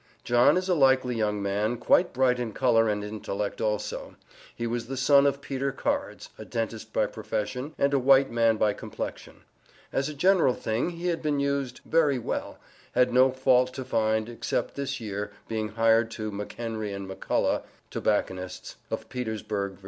John is a likely young man, quite bright in color and in intellect also. He was the son of Peter Cards, a dentist by profession, and a white man by complexion. As a general thing, he had been used 'very well;' had no fault to find, except this year, being hired to McHenry & McCulloch, tobacconists, of Petersburg, Va.